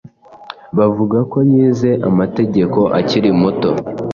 Bavuga ko yize amategeko akiri muto.